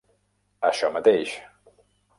Això mateix!